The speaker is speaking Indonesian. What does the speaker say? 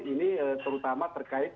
ini terutama terkait